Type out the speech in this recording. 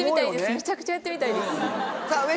めちゃくちゃやってみたいです。